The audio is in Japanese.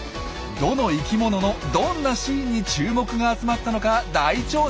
どの生きもののどんなシーンに注目が集まったのか大調査しました。